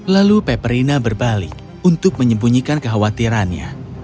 lalu peperina berbalik untuk menyembunyikan kekhawatirannya